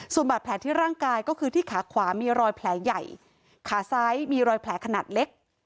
ส่วนบาดแผลที่ร่างกายก็คือที่ขาขวามีรอยแผลใหญ่ขาซ้ายมีรอยแผลขนาดเล็ก